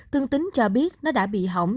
thương tín cho biết nó đã bị hỏng